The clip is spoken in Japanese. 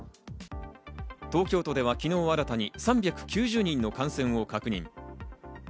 東京都では昨日新たに３９０人の感染を確認。